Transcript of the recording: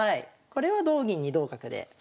これは同銀に同角で。